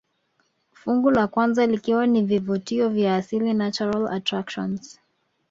Fungu la kwanza likiwa ni vivutio vya asili natural attractions